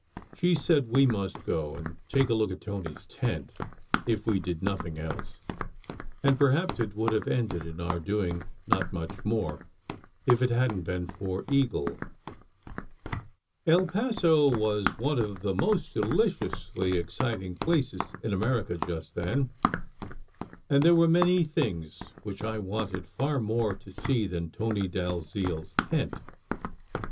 She said we must go and take a look at Tony s tent, if we did nothing else; and perhaps it would have ended in our doing not much more if it hadn t been for Eagle. El Paso was one of the most deliciously exciting places in America just then, and there were many things which I wanted far more to see than Tony Dalziel s tent.